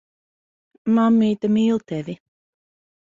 Mammīte mīl tevi.